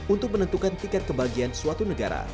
untuk menentukan tiket kebahagiaan suatu negara